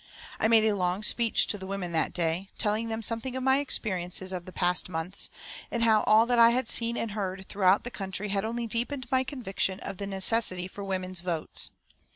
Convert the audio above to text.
I made a long speech to the women that day, telling them something of my experiences of the past months, and how all that I had seen and heard throughout the country had only deepened my conviction of the necessity for women's votes.